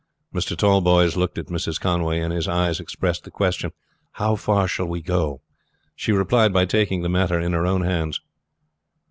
Mr. Tallboys looked at Mrs. Conway, and his eyes expressed the question, How far shall we go? She replied by taking the matter in her own hands.